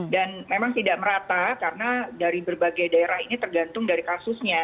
dan memang tidak merata karena dari berbagai daerah ini tergantung dari kasusnya